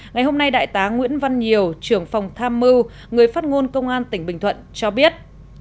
ngày hôm nay đại tá nguyễn văn nhiều trưởng phòng tham mưu người phát ngôn công an tỉnh bình thuận cho biết